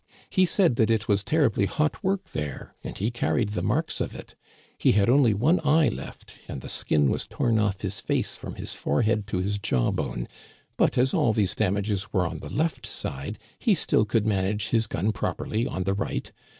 He said that it was terribly hot work there, and he carried the marks of it. He had only one eye left, and the skin was torn off his face from his forehead to his jaw bone ; but, as all these damages were on the left side, he still could manage his gun properly on the right.